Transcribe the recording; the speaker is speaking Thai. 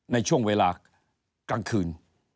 ในช่วงเวลากลางคืน